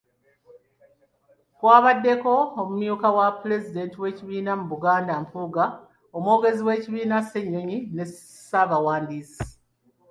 Kwabaddeko, omumyuka wa Pulezidenti w’ekibiina mu Buganda Mpuuga, Omwogezi w’ekibiina Ssenyonyi ne Ssaabawandiisi.